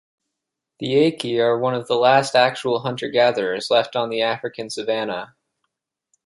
The Akie are one of the last actual hunter-gatherers left on the African savanna.